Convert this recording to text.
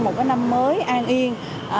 một năm mới an yên